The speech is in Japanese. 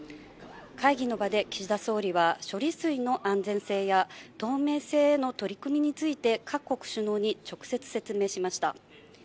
会議の場で岸田総理は、処理水の安全性や透明性への取り組みについて各国首脳に直接説明しました。